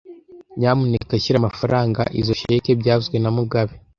Nyamuneka shyira amafaranga izoi cheque byavuzwe na mugabe